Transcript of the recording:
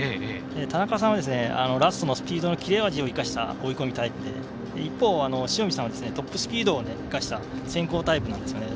田中さんは、ラストのスピードの切れ味を生かした追い込みタイプで一方、塩見さんはトップスピードを生かした先行タイプなんですね。